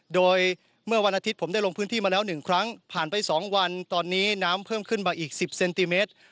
โดยเมื่อวันอาทิตย์ผมได้ลงพื้นที่มาแล้ว๑ครั้งผ่านไป๒วันตอนนี้น้ำเพิ่มขึ้นมาอีก๑๐เซนติเมตร